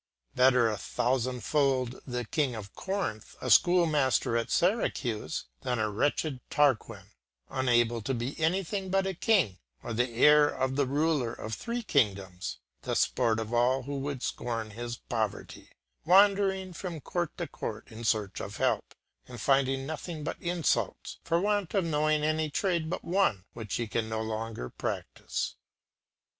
Better a thousandfold the king of Corinth a schoolmaster at Syracuse, than a wretched Tarquin, unable to be anything but a king, or the heir of the ruler of three kingdoms, the sport of all who would scorn his poverty, wandering from court to court in search of help, and finding nothing but insults, for want of knowing any trade but one which he can no longer practise.